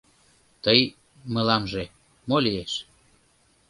«Тый — мыламже» мо лиеш?